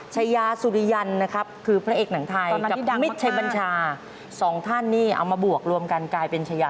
อ๋อใช่คือเสมมามาค่ะ